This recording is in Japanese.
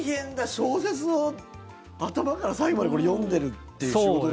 小説を頭から最後まで読んでるっていう仕事だ。